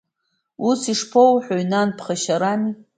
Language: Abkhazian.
Ус шԥоуҳәои, нан, ԥхашьарами?